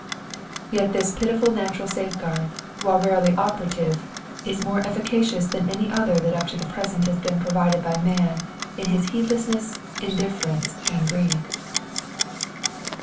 Yet this pitiful natural safeguard, while rarely operative, is more efficacious than any other that up to the present has been provided by man in his heedlessness, indifference, and greed.